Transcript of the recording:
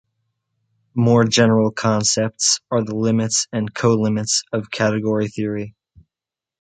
More general concepts are the limits and colimits of category theory.